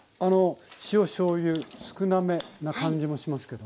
塩しょうゆ少なめな感じもしますけど。